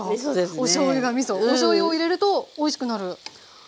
おしょうゆを入れるとおいしくなる？